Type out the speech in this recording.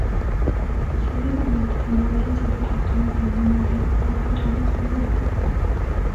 Seguidamente se movilizan intelectuales del mundo entero para reclamar su liberación.